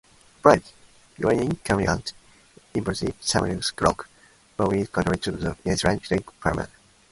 Bays, protruding capes and impressive sandstone rock formations contribute to the island's scenic panorama.